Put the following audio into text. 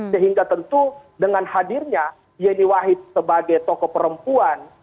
sehingga tentu dengan hadirnya yeni wahid sebagai tokoh perempuan